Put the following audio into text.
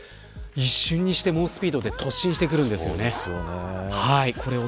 一瞬にして猛スピードで突進してくるんですね。